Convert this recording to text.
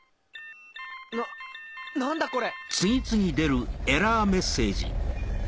な何だこれ！